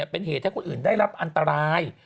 เป็นเหตุให้คนอื่นได้รับอันตราย